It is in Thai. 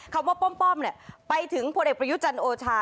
คำว่าป้อมป้อมเนี่ยไปถึงพลเอกประยุทธจันโอชา